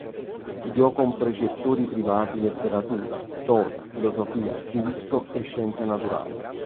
Studiò con precettori privati letteratura, storia, filosofia, diritto e scienze naturali.